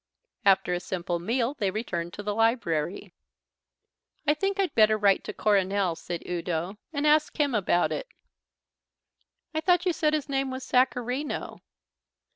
After a simple meal they returned to the library. "I think I'd better write to Coronel," said Udo, "and ask him about it." "I thought you said his name was Sacharino."